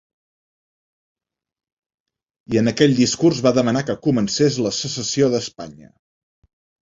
I en aquell discurs va demanar que comencés la secessió d’Espanya.